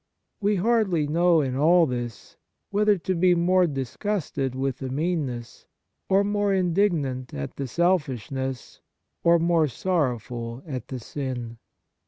We hardly know in all this whether to be more disgusted with the meanness, or more indignant at the selfishness, or more sorrowful at the sin.